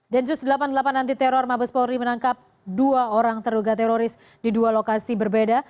densus delapan puluh delapan anti teror mabes polri menangkap dua orang terduga teroris di dua lokasi berbeda